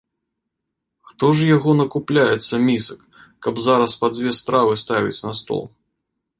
Хто ж яго накупляецца місак, каб зараз па дзве стравы ставіць на стол.